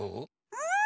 うん！